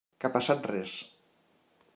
Que ha passat res?